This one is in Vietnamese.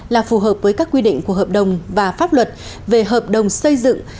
là phù hợp với các quy định của hợp đồng và pháp luật về hợp đồng xây dựng